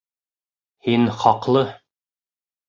Һин хаҡлы.